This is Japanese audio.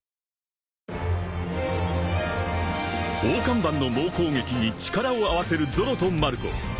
［大看板の猛攻撃に力を合わせるゾロとマルコ］